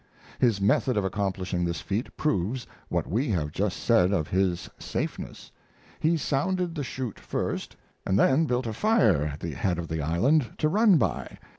His method of accomplishing this feat proves what we have just said of his "safeness" he sounded the chute first, and then built a fire at the head of the island to run by.